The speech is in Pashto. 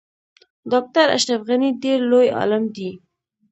ډاکټر اشرف غنی ډیر لوی عالم دی